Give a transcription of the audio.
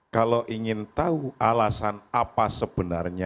kalau ingin tahu alasan apa sebenarnya